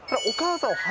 お父さん